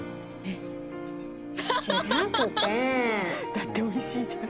「だっておいしいじゃん」。